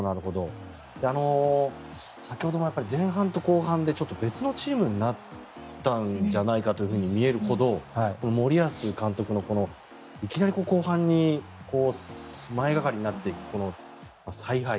先ほども前半と後半で別のチームになったんじゃないかと見えるほど森保監督のいきなり後半に前がかりになっていくこの采配。